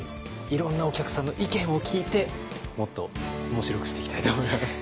いろんなお客さんの意見を聞いてもっと面白くしていきたいと思います。